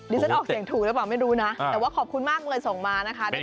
ฉันออกเสียงถูกหรือเปล่าไม่รู้นะแต่ว่าขอบคุณมากเลยส่งมานะคะ